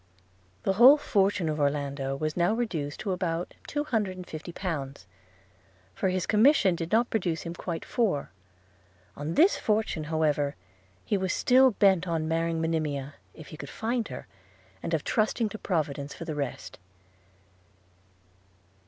The whole fortune of Orlando was now reduced to about two hundred and fifty pounds; for his commission did not produce him quite four. On this fortune, however, he was still bent on marrying Monimia, if he could find her; and of trusting to Providence for the rest.